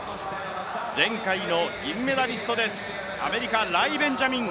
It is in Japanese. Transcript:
前回の銀メダリストです、アメリカのライ・ベンジャミン。